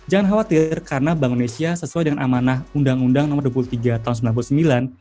jangan khawatir karena bank indonesia sesuai dengan amanah undang undang nomor dua puluh tiga tahun seribu sembilan ratus sembilan puluh sembilan